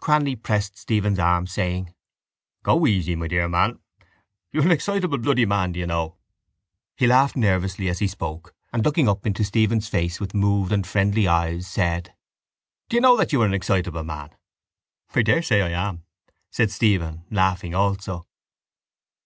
Cranly pressed Stephen's arm, saying: —Go easy, my dear man. You're an excitable bloody man, do you know. He laughed nervously as he spoke and, looking up into Stephen's face with moved and friendly eyes, said: —Do you know that you are an excitable man? —I daresay I am, said Stephen, laughing also.